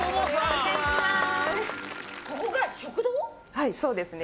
はいそうですね